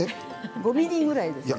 ５ｍｍぐらいですね。